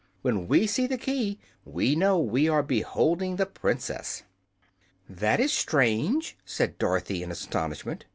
When we see the key we know we are beholding the Princess." "That is strange," said Dorothy, in astonishment.